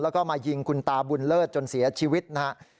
แล้วก็มายิงคุณตาบุญเลิศจนเสียชีวิตนะครับ